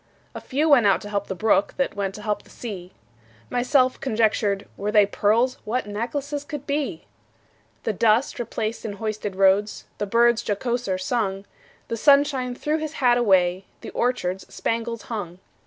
A few went out to help the brook, That went to help the sea. Myself conjectured, Were they pearls, What necklaces could be! The dust replaced in hoisted roads, The birds jocoser sung; The sunshine threw his hat away, The orchards spangles hung.